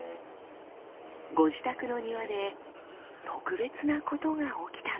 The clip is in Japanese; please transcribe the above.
ご自宅の庭で特別なことが起きたんです。